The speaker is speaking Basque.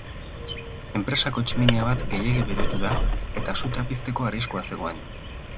Enpresako tximinia bat gehiegi berotu da, eta sutea pizteko arriskua zegoen.